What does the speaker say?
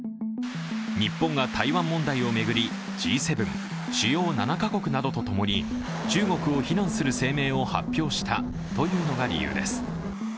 日本が台湾問題を巡りＧ７＝主要７か国などと共に中国を非難する声明を発表したというのが理由です。